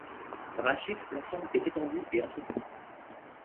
Par la suite, l'ensemble est étendu et entretenu.